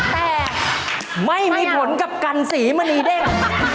แต่ไม่มีผลกับกันสีมณีเด้ง